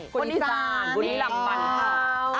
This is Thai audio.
คนที่สามคนที่หลังบันเทา